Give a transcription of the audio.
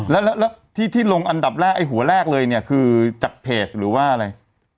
แล้วที่ลงอันดับแรกอันดับหัวแรกเลยหรือจากเทศหรืออะไร